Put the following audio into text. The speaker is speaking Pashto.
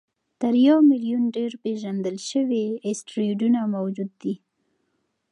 تر یو میلیون ډېر پېژندل شوي اسټروېډونه موجود دي.